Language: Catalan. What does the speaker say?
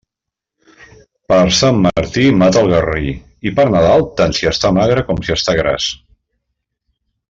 Per Sant Martí mata el garrí, i per Nadal tant si està magre com si està gras.